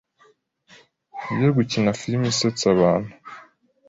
yo gukina film asetsa abantu